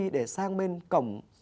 để sang bên cổng